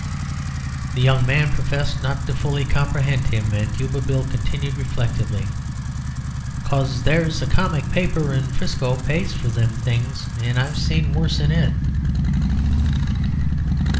The young man professed not fully to comprehend him, and Yuba Bill continued reflectively: "'Cos there's a comic paper in 'Frisco pays for them things, and I've seen worse in it."